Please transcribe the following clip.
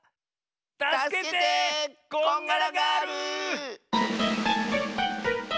たすけてこんがらガール！